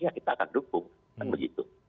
yang kita akan dukung